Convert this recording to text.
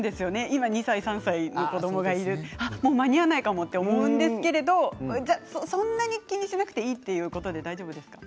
今２歳３歳の子どもがいるともう間に合わないかもと思うんですけれどもそんなに気にしなくていいということで大丈夫ですか。